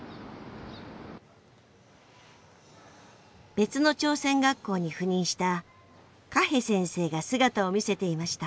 別の朝鮮学校に赴任したカヘ先生が姿を見せていました。